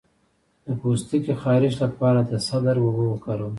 د پوستکي خارښ لپاره د سدر اوبه وکاروئ